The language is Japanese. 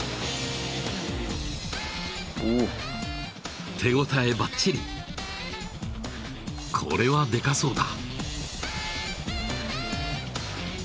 おお手応えバッチリこれはでかそうだ